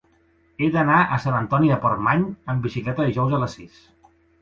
He d'anar a Sant Antoni de Portmany amb bicicleta dijous a les sis.